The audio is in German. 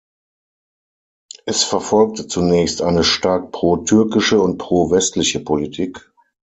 Es verfolgte zunächst eine stark pro-türkische und pro-westliche Politik.